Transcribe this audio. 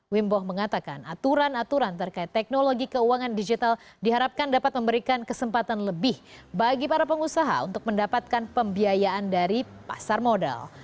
wimbo mengatakan aturan aturan terkait teknologi keuangan digital diharapkan dapat memberikan kesempatan lebih bagi para pengusaha untuk mendapatkan pembiayaan dari pasar modal